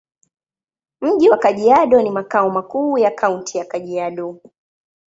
Mji wa Kajiado ni makao makuu ya Kaunti ya Kajiado.